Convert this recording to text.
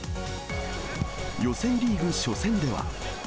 予選リーグ初戦では。